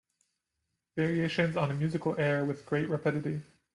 Variations on a musical air With great rapidity.